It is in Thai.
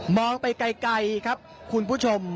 ไปไกลครับคุณผู้ชม